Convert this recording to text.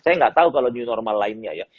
saya nggak tahu kalau new normal lainnya ya